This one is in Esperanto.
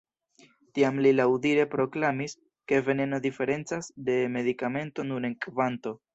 Tiam li laŭdire proklamis, ke "veneno diferencas de medikamento nur en kvanto".